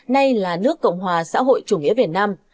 nay là nước cộng hòa xã hội chủ nghĩa việt nam